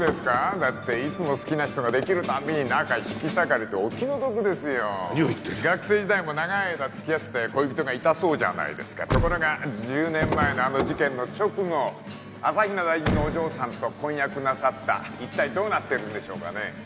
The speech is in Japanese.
だっていつも好きな人ができるたびに仲引き裂かれてお気の毒ですよ何を言ってる学生時代も長い間付き合ってた恋人がいたそうじゃないですかところが１０年前のあの事件の直後朝比奈大臣のお嬢さんと婚約なさった一体どうなってるんでしょうかね